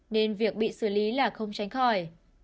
nên việc bị xử lý là không tránh khỏi